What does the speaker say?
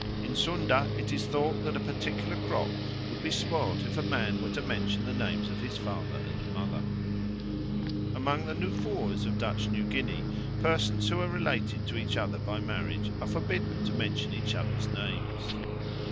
In Sunda it is thought that a particular crop would be spoilt if a man were to mention the names of his father and mother. Among the Nufoors of Dutch New Guinea persons who are related to each other by marriage are forbidden to mention each other's names.